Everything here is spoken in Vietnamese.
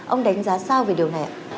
ông đánh giá sao về điều này ạ